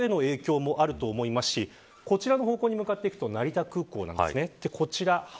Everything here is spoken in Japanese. ですから、物流への影響もあると思いますしこちらの方向に向かっていくと成田空港なんですね。